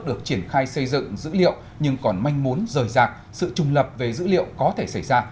được triển khai xây dựng dữ liệu nhưng còn manh muốn rời rạc sự trùng lập về dữ liệu có thể xảy ra